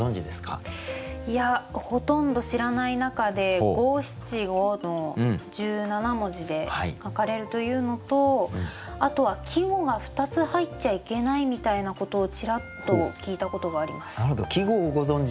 いやほとんど知らない中で五七五の１７文字で書かれるというのとあとは季語が２つ入っちゃいけないみたいなことをちらっと聞いたことがあります。